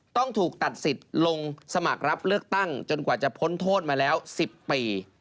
ต้องถูกตัดสิทธิ์ลงสมัครรับเลือกตั้งจนกว่าจะพ้นโทษมาแล้ว๑๐ปี